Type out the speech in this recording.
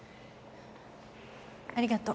ありがと。